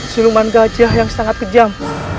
siluman gajah yang sangat kejam